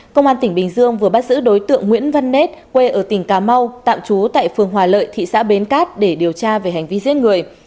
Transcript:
công an tỉnh bình dương vừa bắt giữ đối tượng nguyễn văn nết quê ở tỉnh cà mau tạm trú tại phường hòa lợi thị xã bến cát để điều tra về hành vi giết người